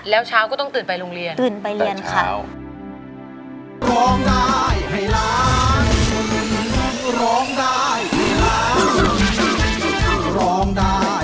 แล้วเช้าก็ต้องตื่นไปโรงเรียน